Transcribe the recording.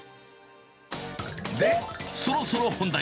で、そろそろ本題。